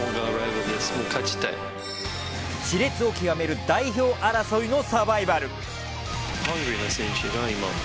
熾烈を極める代表争いのサバイバル。